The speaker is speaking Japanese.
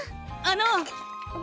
あの！